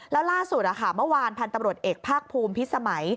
แล้วล่าสุดเมื่อวานพันธุ์ตำรวจเอกภาคภูมิพิษสมัย